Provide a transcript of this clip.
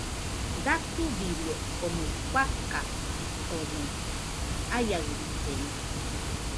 Datubirie omoi fakan omɨ aiaɨllena.